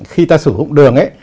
khi ta sử dụng đường